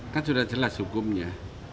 kan sudah jelas hukumnya